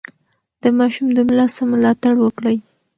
د ماشوم د ملا سم ملاتړ وکړئ.